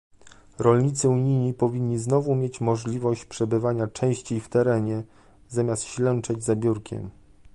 Rolnicy unijni powinni znowu mieć możliwość przebywania częściej w terenie, zamiast ślęczeć za biurkiem